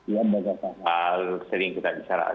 ya banyak hal sering kita disarankan